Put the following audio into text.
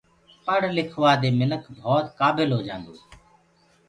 پڙه لکوآ دي منک ڀوت ڪآبل هوجآندو هي۔